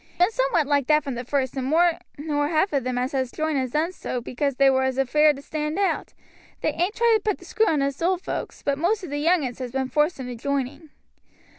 It's been somewhat like that from the first, and more nor half of them as has joined has done so because they was afeared to stand out. They ain't tried to put the screw on us old hands, but most of the young uns has been forced into joining.